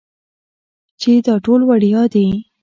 چې دا ټول وړيا دي.